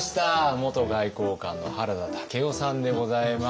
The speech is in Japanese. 元外交官の原田武夫さんでございます。